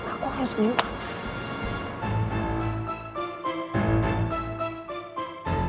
aku harus mengembalikan